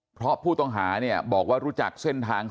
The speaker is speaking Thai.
เพราะผู้ต้องหาเนี่ยบอกว่ารู้จักเส้นทาง